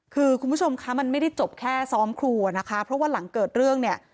คือคุณผู้ชมคะมันไม่ได้จบแค่ซ้อมครัวนะคะเพราะว่าหลังเกิดเรื่องเนี่ย